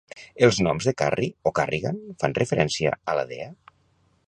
Els noms de Carrie o Carrigan fan referència a la dea?